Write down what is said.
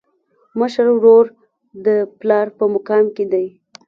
مشر ورور د پلار په مقام کي دی.